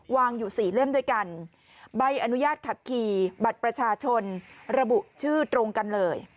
อยู่สี่เล่มด้วยกันใบอนุญาตขับขี่บัตรประชาชนระบุชื่อตรงกันเลย